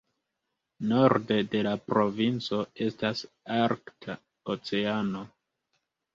Norde de la provinco estas Arkta Oceano.